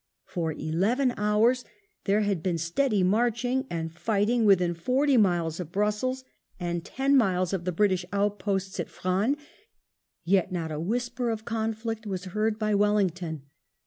For eleven hours there had been steady marching and fighting, within forty miles of Brussels and ten miles of the P WELLINGTON British outposts at Frasne, yet not a whisper of conflict was heard by Wellington.